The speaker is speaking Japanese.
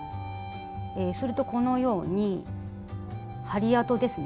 するとこのように針跡ですね